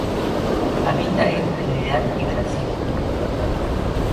Habita en Trinidad y Brasil.